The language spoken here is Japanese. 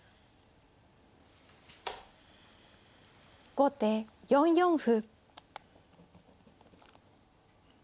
後手４四歩。